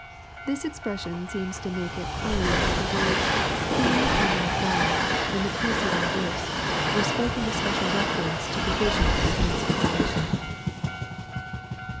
] This expression seems to make it pliuii that the words, " seeing the kingdom of God," in the preceding verse, were spoken with special reference to the vision of the transfiguration.